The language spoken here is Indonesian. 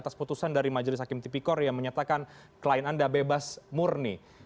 tapi dengan awal dari ini sempat pr aprovidasi nih